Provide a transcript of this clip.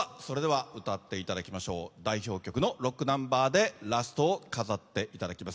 歌っていただきましょう代表曲のロックナンバーでラストを飾っていただきます。